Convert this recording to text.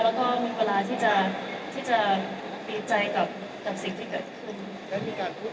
แล้วก็มีเวลาที่จะตีใจกับสิ่งที่เกิด